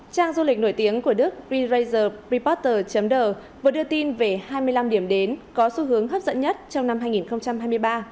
trang du lịch nổi tiếng của đức pre raiser reporter đ vừa đưa tin về hai mươi năm điểm đến có xu hướng hấp dẫn nhất trong năm hai nghìn hai mươi ba